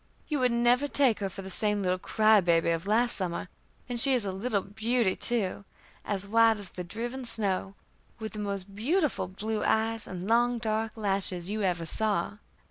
You would never take her for the same little cry baby of last summer, and she is a little beauty too as white as the driven snow, with the most beautiful blue eyes, and long, dark lashes you ever saw.